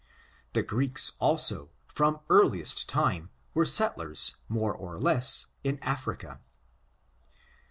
The Greeks, also, from earliest timCi were settlers more or less in Africa.